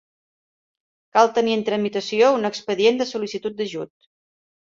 Cal tenir en tramitació un expedient de sol·licitud d'ajut.